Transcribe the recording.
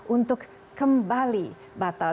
untuk kembali batal